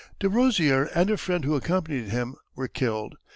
De Rozier and a friend who accompanied him were killed.